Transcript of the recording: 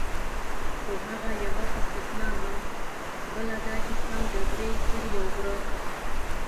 خو هغه یوه استثنا وه، بله دا چې سان ګبرېل تر یو غره.